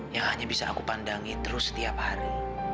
yang hanya bisa aku pandangin terus setiap hari